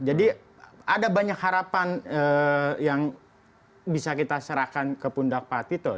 jadi ada banyak harapan yang bisa kita serahkan ke pundak pak tito